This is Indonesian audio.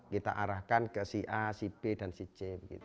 kita arahkan ke si a si b dan si c